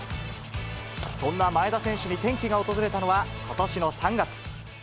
そんな前田選手に転機が訪れたのは、ことしの３月。